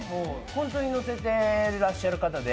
本当に載せてらっしゃる方で。